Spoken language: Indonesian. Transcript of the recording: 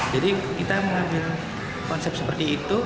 kita mengambil konsep seperti itu